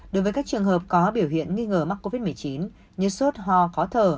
đối với các trường hợp có biểu hiện nghi ngờ mắc covid một mươi chín như sốt ho khó thở